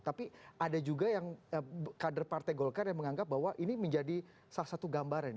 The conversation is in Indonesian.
tapi ada juga yang kader partai golkar yang menganggap bahwa ini menjadi salah satu gambaran